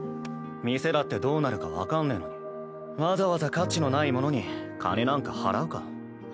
店だってどうなるか分かんねぇのにわざわざ価値のないものに金なんか払うか。